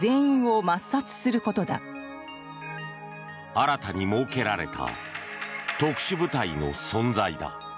新たに設けられた特殊部隊の存在だ。